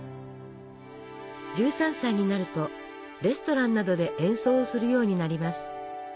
１３歳になるとレストランなどで演奏をするようになります。